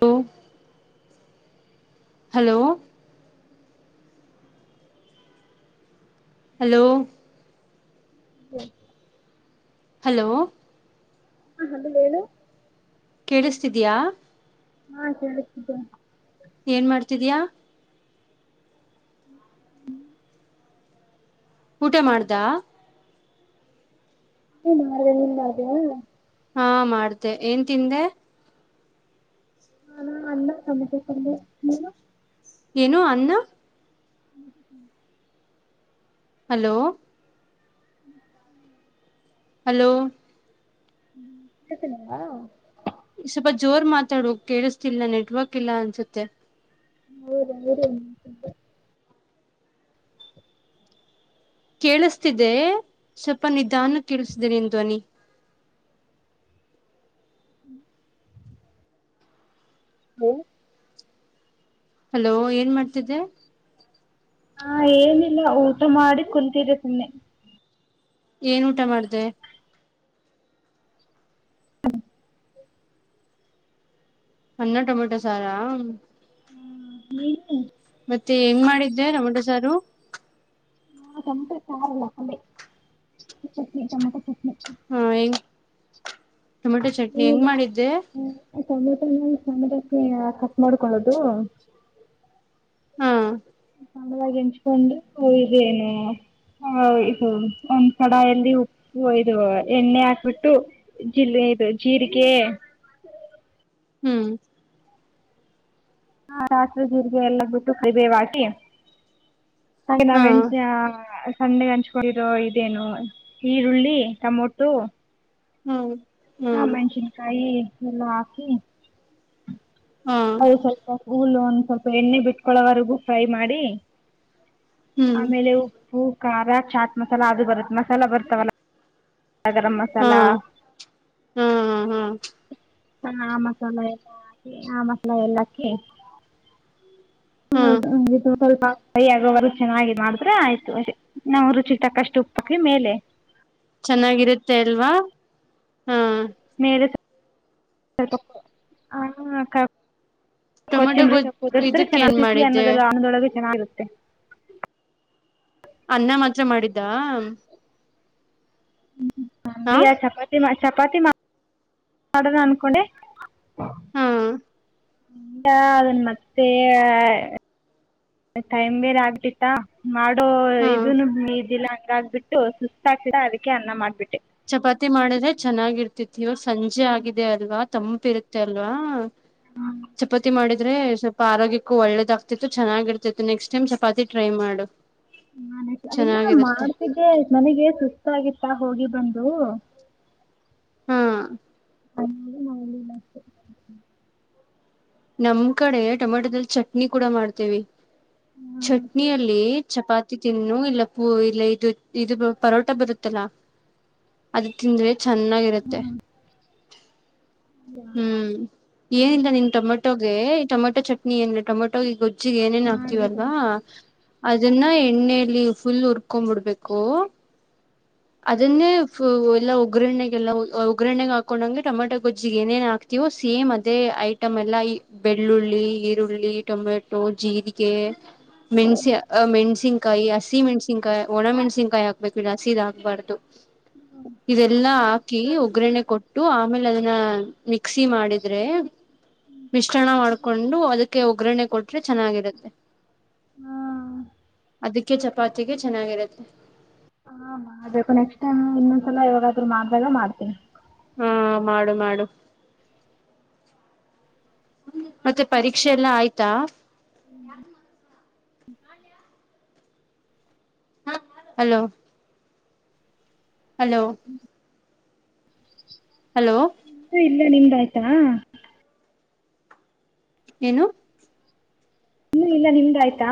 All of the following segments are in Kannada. ಹೂ ಹಲೋ ಹಲೋ ಹ್ಮ ಹಲೋ ಹಾ ಹಲೋ ಹೇಳು ಕೇಳಿಸ್ತಿದ್ಯಾ ಹಾ ಕೇಳಿಸುತ್ತಿದೆ ಏನ್ ಮಾಡ್ತಿದ್ದೀಯಾ ಹ್ಮ ಊಟ ಮಾಡ್ದ ನೀ ಮಾಡ ನಿನ್ ಮಾಡವಾ ಹಾ ಮಾಡ್ದ ಏನ್ ತಿಂದೆ ಹಾ ಅನ್ನ ಟೊಮೆಟೊ ಪಲ್ಯ ನೀನು ಏನೋ ಅನ್ನ ಹ್ಮ ಹ ಹಲೋ ಹಲೋ ಹ್ಮ್ ಊಟ ಮಾಡೋಣ್ವಾ ಸ್ವಲ್ಪ ಜೋರ್ ಮಾತಾಡು ಕೇಳಿಸ್ತಿಲ್ಲ ನೆಟ್ವರ್ಕ್ ಇಲ್ಲ ಅನ್ಸುತ್ತೆ ಹೂವಊ [unintelligible] ಕೇಳಿಸ್ತಿದೆ ಸ್ವಲ್ಪ ನಿಧಾನ ಕೇಳುಸ್ತಿದೆ ಕೇಳಿಸ್ತಿದೆ ಸ್ವಲ್ಪ ನಿಧಾನಕ್ಕೆ ಹೇಳು ಜಾನ್ ಹ್ಮ್ ಹ್ಮ್ ಹಲೋ ಏನ್ ಮಾಡ್ತಿದ್ದೆ ಹಾ ಏನಿಲ್ಲ ಊಟ ಮಾಡಿ ಕುಂತಿದ್ದೆ ಸುಮ್ನೆ ಏನ್ ಊಟ ಮಾಡ್ದೆ ಟೊಮೆಟೊ ಮತೆ ಸಾರಾ ಹಾ [unintelligible] ಮತ್ತೆ ಹೆಂಗ್ ಮಾಡಿದ್ದೆ ಟೊಮೆಟೊ ಸಾರು? ಟಮಟಾರಲ್ಲ ಅ ಚಟ್ನಿ ಟೊಮೊಟ ಚಟ್ನಿ. ಹ್ಮ ಈ ಟೊಮೆಟೊ ಚಟ್ನಿ ಹೆಂಗ್ ಮಾಡಿದ್ದೆ? ಟೊಮೆಟ ಟಮೆಟಾಸ ಕಟ್ ಮಾಡ್ಕೊಳ್ಳದು. ಹಾ ಾಗಿ ಹೆಂಚ್ಕೊಂಡು. ಇದೇನು ಇ ಒಂದ್ ಕಡಾಯಲ್ಲಿ ಉಪ್ಪು ಇದು ಎಣ್ಣೆ ಹಾಕ್ಬಿಟ್ಟು ಜ ಇದು ಜೀರಿಗೆ, ಹ್ಮ್ ಹಾ ಸಿವೆ ಜೀರಿಗೆ ಎಲ್ಲ ಬಿಟ್ಟು ಕಬೇ ಹಾಕಿ ಹಾಗೆ ನಾವ ಹಾ ಎಣಟ ಸಂಡ್ಣಗ್ ಹಂಚ್ಕೊಂಡಿರೋ ಇದೇನು ಈರುಳ್ಳಿ ಟಮೊಟೊ ಹ್ಮ್ ಹಾ ಹ್ಮ್ ಮೆಣಸಿನ್ಕಾಯಿ ಎಲ್ಲ ಹಾಕಿ ಹಾ [unintelligible] ಸ್ವಲ್ಪ ಎಣ್ಣೆ ಬಿಟ್ಕೊಳವರೆಗು ಫ್ರೈ ಮಾಡಿ ಹ್ಮ್ ಆಮೇಲೆ ಉಪ್ಪು ಖಾರ ಚಾಟ್ ಮಸಾಲ ಅದು ಬರುತ್ತೆ ಮಸಾಲ ಬರ್ತಾವಲ್ಲ ಗರಂ ಹಾ ಮಸಾಲಾ ಹಾ ಹಾ ಹ ಆ ಮಸಾಲ ಎಲ್ಲಾ ಹಾಕಿ ಆ ಮಸಾಲ ಎಲ್ಲಾಕ್ಕ ಹಾ [unintelligible] ಕೈಯಗುವರು ಚೆನ್ನಾಗಿ ಮಾಡಿದ್ರೆ ಆಯ್ತು ನಾವು ರುಚಿ ಇಟ್ಟಕ್ಕಷ್ಟು ಉಪ್ಪಕಿ ಮೇಲೆ ಚೆನ್ನಾಗಿರುತ್ತೆ ಅಲ್ವಾ ಹಾ [unintelligible] ಸಲ್ಪ ಆ ಖಾರ್ ಟೊಮೆಟೊ ಗೊಜ್ ಕೊತ್ತಿಂಬರಿ ಹುಡರ್ಸ್ದ್ರೆ ಇದಕ್ ಏನ್ ಚೆನ್ನಾಗಿ ಸಿ ಮಾಡಿದ್ದೆ ಅನ್ನದಲ್ಲ ಅಣದೊಳಗೆ ಚೆನ್ನ [unintelligible] ಅನ್ನ ಮಾತ್ರ ಮಾಡಿದ್ದ. ಹಾ ಹರಿಯ ಚಪಾತಿ ಮಾಡ ಚಪಾತಿ ಮಾಡ ಮಾಡಣ ಅನ್ಕೊಂಡೆ [unintelligible] ಅದನ್ ಮತ್ತೆ ಟೈಮ್ ಬೇರೆ ಆಗತಿತ್ತ ಮಾಡ ಹಾ ಇದದುನು ಇದಿಲ್ಲ ಬಿಟ್ಟು ಸುತಾಗತಿ ಅದಕ್ಕೆ ಅನ್ನ ಮಾಡ್ಬಿಟ್ಟು ಚಪಾತಿ ಮಾಡಿದ್ರೆ ಚೆನ್ನಾಗಿರ್ತ ವ ಸಂಜೆ ಆಗಿದೆ ಅಲ್ವಾ ತಂ ಇರುತ್ತೆ ಅಲ್ವಾ ಚಪಾತಿ ಮಾಡಿದ್ರೆ ಸ್ವಲ್ಪ ಆರೋಗ್ಯಕ್ಕೂ ಒಳ್ಳೆದಾಗ್ತಿತ್ತು ಚೆನ್ನಾಗಿರ್ತಿತ್ತು ನೆಕ್ಸ್ಟ್ ಟೈಮ್ ಚಪಾತಿ ಟ್ರೈ ಮಾಡು ನಾನ ಇಲ್ಲ ಚೆನ್ನಾಗಿರುತ್ತೆ ಮಾಡ್ತಿದ್ದೆ ನನಗೆ ಸುಸ್ತ ಆಗಿತ್ತ ಹೋಗಿ ಬಂದು ಹಾ [unintelligible] ನಮ್ ಕಡೆ ಟೊಮೆಟೊದಲ್ಲಿ ಚಟ್ನಿ ಕೂಡ ಮಾಡ್ತೇವಿ ಚಟ್ನಿಯಲ್ಲಿ ಚಪಾತಿ ತಿನ್ನು ಇಲ್ಲ ಪೂ ಇಲ್ಲ ಇದು ಇದು ಪರೋಟ ಬರುತ್ತಲ್ಲ ಅದು ತಿಂದ್ರೆ ಚೆನ್ನಾಗಿರುತ್ತೆ ಹ್ಮ್ ಏನಿಲ್ಲ ನಿನ್ ಟಮಟೊ ಈಟಮೊಟೋ ಚಟ್ನಿ ಟೊಮಟೋ ಈಗ ಹೆಚ್ಚಿಗೆ ಏನೇನ್ ಮಾಡಬೇಕು ಹಕ್ತಿವಲ್ವಾ ನೆಕ್ಸ್ಟ್ ಅದನ್ನ ಎಣ್ಣಲಿ ಫುಲ್ ಉುರ್ಕೊ್ ಬಿಿಡ್ಬೇಕು ಅದೇ ಎಲ್ಲ ಒಗ್ಗರಣೆಗೆಲ್ಲ ಒಗ್ಗರಣೆಗೆ ಹಾಕೊಂಡಗೆ ಟೊಮಟೊ ಗಜ್ಜಿಗೆ ಏನೇನ್ ಹಾಕ್ತವೋ ಸೇಮ್ ಅದೇ ಐಟಮ್ ಎಲ್ಲ ಬೆಳ್ಳುಳ್ಳಿ ಈರುಳ್ಳಿ ಟೊಮೆಟೊ ಜೀರಿಗೆ ಮೆಣಸಿ ಮೆಣಸಿನ್ಕಾಯಿ ಅ ಸಿಹ ಮೆಣಸಿನ್ಾಯಿ ಒಣಮೆಣಸನ್ಕಾಯಿ ಹಾಕ್ಬೇಕುಿಲ್ಲ ಸೀದ ಹಾಕ್ಬಾರ್ದು ಇದೆಲ್ಲಾ ಹಾಕಿ ಒಗ್ಗ್ರರಣೆ ಕೊಟ್ಟು ಆಮೇಲೆ ಅದನ್ನ ಮಿಕ್ಸಿ ಮಾಡಿದ್ರೆ ಮಿಶ್ರಣ ಮಾಡ್ಕೊಂಡು ಅದಕ್ಕೆ ಒಗ್ಗರಣೆ ಕೊಟ್ರೆ ಚೆನ್ನಾಗಿರುತ್ತೆ ಹ್ಮ ಅದಕ್ಕೆ ಚಪಾತಿಗೆ ಚೆನ್ನಾಗಿರುತ್ತೆ ಹಾ ಮಾಡ್ಬೇಕು ನೆಕ್ಸ್ಟ್ಟ ಇನ್ನೊಂದಸಲ ಯವಾಗಾದ್ೂ ಮಾಡ್ದಾಗ ಮಾಡ್ತೀನಿ ಹಾ ಮಾಡು ಮಾಡು ಮತ್ತೆ ಪರೀಕ್ಷೆ ಎಲ್ಲ ಆಯ್ತಾ ಯಾರ ಮಾಡ ಹ ಹಲೋ ಹಲೋ ಹಲೋ ಇನ್ನೂ ಇಲ್ಲ ನಿಮ್ದ ಆಯ್ತಾ ಏನು ಹ್ಮ ಇಲ್ಲ ನಿಮ್ದ ಆಯ್ತಾ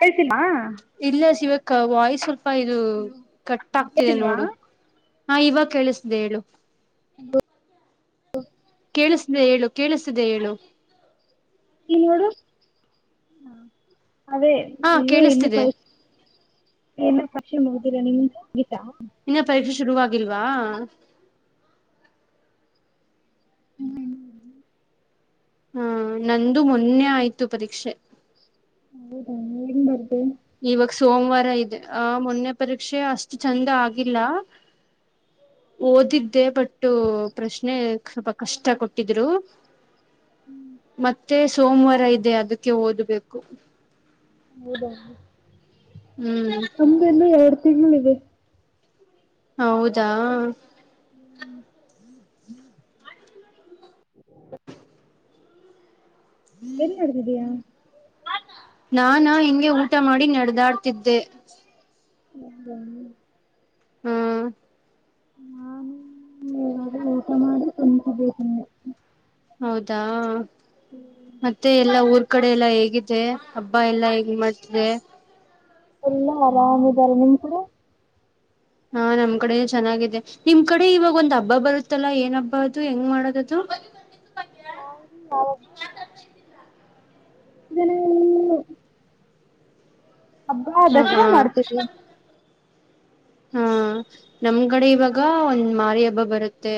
ಕಳ್ತೀಮ್ಮಾ ಇಲ್ಲ ಶಿವ ವಾಯ್ಸ್ಲ್ ಅಪ ಇದು ಕಟ್ ಆ್ತಿದೆ ಕೇಳ್ತಿಲ್ವಾ ನೋಡು ಹಾ ಇವಾಗ ಕೇಳಿಸ್ದ ಹೇಳು ಹ ಕೇಳಿಸಿದೆ ಹೇಳು ಕೇಳಿಸ್ತಿದೆ ಹೇಳು ನಿನ್ನೋಡ ಅದೇ ಹಾ ಇನ್ನು ಇನ್ನು ಕೇಳಿಸ್ತಿದೆ ಪೈಸ ಏನ ಪಕ್ಷಿ ಹಗ್ದೀರಾ ನಿಮಿಂದ ಗತಾ ಶುರುವ ಆಾಗಿಲ್ವಾ ಹಾ ನಂದು ಮೊನ್ನೆ ಆಯ್ತು ಪರೀಕ್ಷೆ ಹೌದಣ ಹೆನ್ ಬರ್್ದ ಇವಾಗ ಸೋಮವಾರ ಇದೆ ಆ ಮೊನ್ನೆ ಪರೀಕ್ಷೆ ಅಷ್ಟು ಚಂದ ಆಗಿಲ್ಲ ಓದಿದ್ದೆ ಬಟ್ ಇು ಪ್ರಶ್ನೆ ಸ್ವಲ್ಪ ಕಷ್ಟ ಕೊಟ್ಟಿದ್ರು ಮತ್ತೆ ಮತ್ತೆ ಸೋಮವಾರ ಇದೆ ಅದಕ್ಕೆ ಓದಬೇಕು ಹೌದಾ ಹ್ಮ್ ನಮಗೆಲ್ಲ ಯಾವ ತಿನ್ನಿದೆ ಹೌದಾ ಹ್ಮ್ ಏನ್ ಮಾಡ್ದಿದೀಯಾ ನಾನ ಹಿಂಗೆ ಊಟ ಮಾಡಿ ನಡೆದಾಡ್ತಿದ್ದೆ ಹ್ಮ ಹ್ಮ್ ನಾನರ ಊಟ ಮಾಡ ತಂದಬೇಕೆ ಹೌದಾ ಮತ್ತೆ ಎಲ್ಲಾ ಊರ್ ಈ ಕಡೆ ಎಲ್ಲಾ ಹೇಗಿದೆ ಹಬ್ಬಾ ಎಲ್ಲಾ ಹೇಗ್ ಮಾಡ್ತಿದೆ ಎಲ್ಲಾ ಆರಾಮಾರೆ ನಿಮ್ ಕೂಡ ಹಾ ನಮ್ ಕಡೆ ಚೆನ್ನಾಗಿದೆ ನಿಮ್ ಕಡೆ ಇವಾಗ ಒಂದ್ ಹಬ್ಬ ಬರುತ್ತಲ್ಲಾ ಏನ್ ಹಬ್ಬ ಅದು ಹೆಂಗ್ ಮಾಡೋದದು ಹ ಹ ನ ಹಬ್ಬಾ ಹ ಹಾ ದಸರಾ ಮಾಡ್ತೀವಿ ಹಾ ನಮ್ಗಡೆ ಇವಾಗ ಒಂದ್ ಮಾರಿ ಹಬ್ಬ ಬರುತ್ತೆ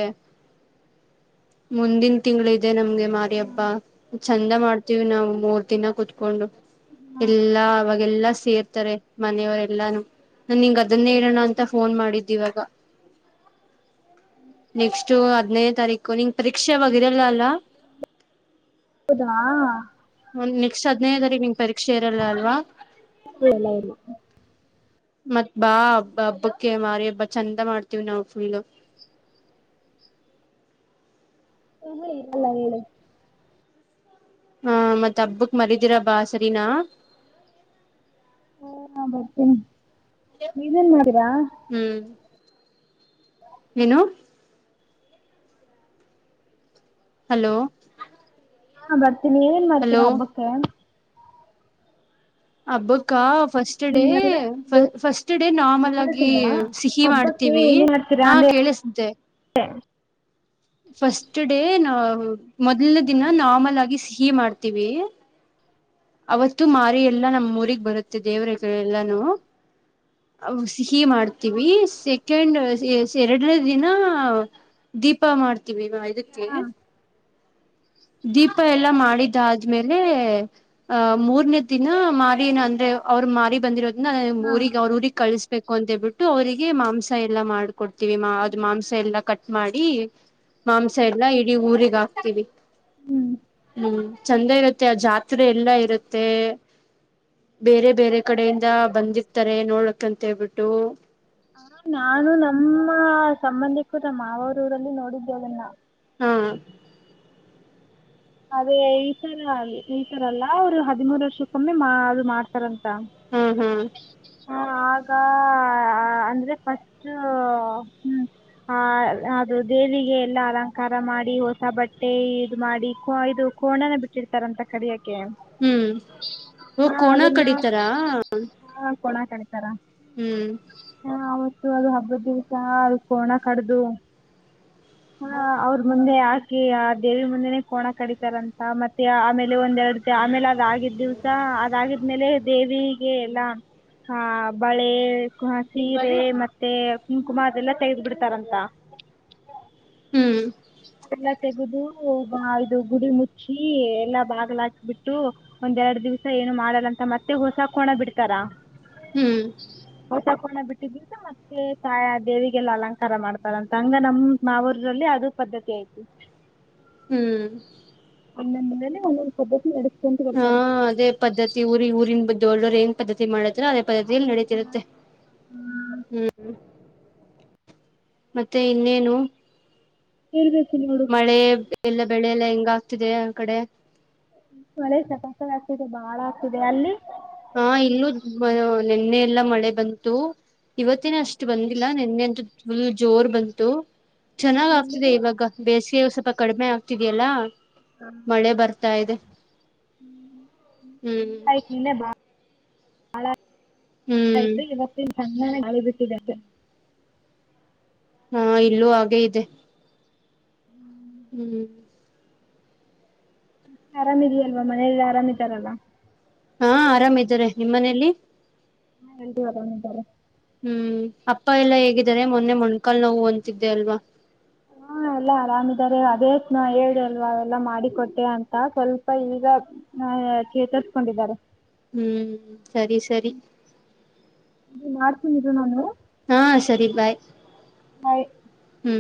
ಮುಂದಿನ ತಿಂಗಳ ಇದೆ ನಮ್ಗೆ ಮಾರಿ ಹಬ್ಬಾ ಚಂದ ಮಾಡ್ತೀವಿ ನಾವು ಮೂರ್ ದಿನ ಕುೂತ್ಕೊಂಡು ಎಲ್ಲಾ ಅವಾಗೆಲ್ಲಾ ಸೇರ್ತಾರೆ ಮನೆಯವರೆ ಎಲ್ಲಾನು ನಾ ನಿಂಗ ಅದನ್ನೇ ಹೇಳೋಣ ಅಂತ ಫೋನ್ ಮಾಡಿದ್ದ ಇವಾಗ ನೆಕ್ಸ್ಟ್ ಹದ್ನೈೇ ತಾರೀಕು ನಿಂಗ ಪರೀಕ್ಷೆ ಅವಾಗ ಇರಲ್ಲ ಅಲ್ಲ ಹೌದಾ ಒಂದ ನೆಕ್ಸ್ಟ್ ಹದ್ನೈದನೇ ತಾರಿಕ್ ಪರೀಕ್ಷೆ ಇರಲ್ಲಾ ಅಲ್ಲವಾ ಇಲ್ಲ ಇಲ್ಲ ಮತ್ತ್ ಬಾಬ್ಬ ಹಬ್ಬಕ್ಕೆ ಮಾರಿ ಹಬ್ಬ ಚಂದ ಮಾಡ್ತೀವಿ್ ನಾವು ಫುಲ್ಲ ಹಾ ಹಾ ಹೇಳಲ್ಲಾ ಹೇಳು ಹಾ ಮತ್ ಹಬ್ಬಕ್ ಮರಿದಿರ ಬಾ ಸರಿನಾ ಮತ್ತೆ ನೀವೇನ್ ಮಾಡೀರಾ ಹ್ಮ್ ಏನು ಹಲೋ ಹಾ ಬರ್ ನೀವೇನ್ ಮಾಡ್ತೀರಾ ಹಲೋ ಹಬ್ಬಕ್ಕೆ ಹಬ್ಬಕ ಅಕ್ಕ first day first day normal ಆಗಿ ಕೇಳ್ತಿಲ್ವಾ ಸಿಹಿ ಹಬ್ಬಕ್ಕೆ ಮಾಡ್ತೀವಿ ಏನೇನ್ ಮಾಡ್ತೀರಾ ಹಾ ಅಂದೆ ಕೇಳಿಸ್ದೆ ಫಸ್ಟ್ ಡೇ ನಾ ಮೊದ್ನೇ ದಿನ ನಾರ್ಮಲ್ ಆಗಿ ಸಿಹಿ ಮಾಡ್ತೀವಿ ಅವತ್ತು ಮಾರಿ ಎಲ್ಲಾ ನಮ್ಮ್ ಊಗ್ ಬರುತ್ತೆ ದೇವ್ರಗಳೆಲ್ಲಾನೂ ಸಿಹಿ ಮಾಡ್ತೀವಿ ಸೆಕೆಂಡ್ ಎರಡನೇ ದಿನ ದೀಪ ಮಾಡ್ತೀವಿ ಹಾ [unintelligible] ದೀಪ ಎಲ್ಲಾ ಮಾಡಿದಾದ್ಮೇಲೆ ಆಹ ಮೂರ್ನೇ ದಿನ ಮಾರಿನ ಅಂದ್ರೆ ಅವರು ಮಾರಿ ಬಂದಿರೋ ನ ಹಾ ಊರಿಗ್ ಅವ್ರ ಊರಿಗ್ ಕಳ ಬಬೇಕು ಅಂತ ಹೇಳ್ಬಿಟ್ಟು ಅವ್ರರಿಗೆ ಮಾಂಸ ಎಲ್ಲ ಮಾಡ್ ಕೊಡ್ತೀವಿ ಅದು ಮಾಂಸ ಎಲ್ಲ ಕಟ್ಟ ಮಾಡಿ ಮಾಂಸ ಎಲ್ಲಾ ಇಡೀ ಊರಿಗ್ ಹಾಕ್ತಿೀವಿ ಹ್ಮ್ ಹ್ಮ್ ಚಂದ ಇರತ್ತೆ ಆ ಜಾತ್ರೆ ಎಲ್ಲ ಇರುತ್ತೆ ಬೇರೆ ಬೇರೆ ಕಡೆಯಿಂದ ಬಂದಿರ್ತಾರೆ ನೋಡ್ಕ್ಂತ ಹೇಳ್ಬಿಟ್ಟು ಹ ನಾನು ನಮ್ಮ ಸಂಬಂಧಿಕರ ನಮ್ಮ ಮಾವರೂರಲ್ಲಿ ನೋಡಿದೆ ಅದನ್ನ ಹಾ ಅದೇ ಈ ತರ ಅ ಈ ತರ ಅಲ್ಲಾ ಅವ್ರು ಹದಿಮೂರ್ ವರ್ಷಕ್ಕೊಮ್ಮಿ ಮಾ ಮಾಡ್ತಾರ ಹ್ಮ್ ಹ್ಮ್ ಹ ಆಗ ಅಂದ್ರೆ ಫಸ್ಟ್ ಹ್ಮ ಆ ಅದು ದೇವಿಗೆ ಎಲ್ಲ ಅಲಂಕಾರ ಮಾಡಿ ಹೊಸ ಬಟ್ಟೆ ಇದ ಮಾಡಿ ಇದು ಕೋಣನ ಬಿಟ್ಟಿರ್ತಾರ ಅಂತ ಕಡಿಯಕ ಹ್ಮ್ ಓ ಕೋಣ ಕಡಿತಾರಾ ಕೋಣಾ ಕಡಿತಾರಾ ಹ್ಮ್ ಅದು ಹಬ್ಬದ ದಿವಸ ಅದು ಕೋಣ ಕಡ್ದು ಹ ಅವ್ರ ಮುಂದೆ ಹಾಕಿ ಆ ದೇವಿ ಮುಂದೆನೆ ಕೋಣ ಕಡಿತಾರಂತ ಮತ್ತೆ ಆಮೇಲೆ ಒಂದ್ೆರಡು ದ ಆಮೇಲೆ ಅದಾಗಿದ್ದ ದಿವ್ಸ ಅದಾಗಿದ್ಮೇಲೆ ದೇವಿಗೆ ಎಲ್ಲಾ ಆಹ ಬಳೆ ಸೀರೆ ಮತ್ತೆ ಕುಂಕುಮ ಅದೆಲ್ಲ ತೆಗೆದ್ ಬಿಿಡ್ತಾರಂತ ಹ್ಮ್ ಎಲ್ಲ ತೆಗೆದು ಇದು ಗುಡಿ ಮುಚ್ಚಿ ಎಲ್ಲಾ ಬಾಗ್ಲಾಕ ಬಿಿಟ್ಟು ಒಂದ್ೆರಡು ದಿವ್ಸ ಏನು ಮಾಡಲ್ಲಂತ ಮತ್ತೆ ಹೊಸ ಹಾಕೋಣ ಬಿಡ್ತಾರ ಹ್ಮ್ ಕಕೋಣ ಬಿಟ್ಟಿದ್ದಿಂದ ಮತ್ತೆ ತಾಯ ದೇವಿಗೆಲ್ಲ ಅಲಂಕಾರ ಮಾಡ್ತಾರಂತ ಹಂಗ ನಮ್ ನಾ ಊಲ್ಲಿ ಅದು ಪದ್ಧತಿ ಆಯ್ತಿು ಹ್ಮ್ ಅ ನಮ್ಮ ಮನೇ ಒಂದೊಂದು ಪಬ್ಬ ನ ಹಾ ಅದೇ ಪದ್ಧತಿ ಊರಿ ಊರಿನ್ ಬ ದೋ ಏನ್ ಪದ್ಧತಿ ಮಾಡದ್ರದ ಪದತಿಯಲ್ಲಿ ನಡೀತಿರುತ್ತೆ ಹ್ಮ್ ಮತ್ತೆ ಇನ್ನೇನು ಹ್ಮ ಮಳೆ ಮಳೆ ಎಲ್ಲ ಬೆಳೆ ಎಲ್ಲಾ ಹೆಂಗ ಆಗ್ತಿದೆ ಆ ಕಡೆ ಮಳೆ ಪದೇ ಪದೇ ಆಗ್ತಿದೆ ಬಾಳ ಆಗ್ತಿದೆ ಅಲ್ಲಿ ಹಾ ಇಲ್ಲೂ ಬ ನೆನ್ನೆ ಎಲ್ಲ ಮಳೆ ಬಂತು ಇವತ್ತಿನ ಅಷ್ಟು ಬಂದಿಲ್ಲ ನೆನ್ನೆಂತೂ ಫುಲ್ ಜೋರ್ ಬಂತು ಚೆನ್ನಾಗ್ ಆಗ್ತಿದೆ ಇವಾಗ ಬೇಸಿಗೆ ಸ್ವಪ ಕಡಿಮೆ ಆಗ್ತಿದೆಯಲ್ಲಾ ಹ ಮಳೆ ಬರ್ತಾ ಇದೆ ಹ್ಮ್ ಆ ಬಾ ಹಳ ಹ್ಮ್ ಆಯ್ತು ಇವತಿಂ ತಣ್ಣನೆ ಗಾಳಿ ಬಿಟ್ಟಿದೆ ಹಾ ಇಲ್ಲೂ ಹಾಗೆ ಇದೆ ಹ್ಮ ಹ್ಮ ಮ ಆರಾಮಿದೆಯಲ್ವಾ ಮನೆಯಲ್ಲಿ ಆರಾಮ್ದಾರಲ್ಲ ನಿಮ್ಮ ಮನೇೆಯಲ್ಲಿ ಹಾ ಎಲ್ಲರೂ ಆರಾಮ ಇದಾರ ಹ್ಮ ಅಪ್ಪ ಎಲ್ಲಾ ಹೆಂಗ ಇದರೆ ಮೊನ್ನೆ ಮೊಣಕಾಲ್ ನೋವು ತ್ತಿದ್ದೆ ಅಲ್ವಾ ಹಾ ಎಲ್ಲಾ ಆರಾಮಿದ್ದಾರೆ ಅದೇ ನ ಹೇಳಿದೆ ಅಲ್ವ ಅವೆಲ್ಲ ಮಾಡಿ ಕೊಟ್ಟೆ ಅಂತ ಸ್ವಲ್ಪ ಈಗ ಹ ಚೇತಸ್ಕೊಂಡಿದ್ದಾರೆ ಹ್ಮ ಸರಿ ಸರಿ ವೀರು ನಾನು ಹಾ ಸರಿ ಬಾಯ್ ಹ್ಮ